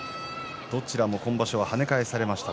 どちらも今場所は跳ね返されました。